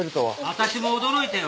私も驚いたよ。